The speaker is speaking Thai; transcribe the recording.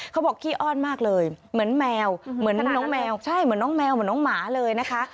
เขาบอกขี้อ้อนมากเลยเหมือนแมวเหมือนน้องแมวเหมือนน้องหมาเลยนะคะ